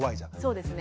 そうですね。